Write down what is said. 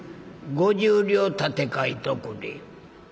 「５０両立て替えとくれ」。